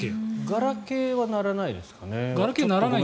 ガラケーは鳴らないですかね。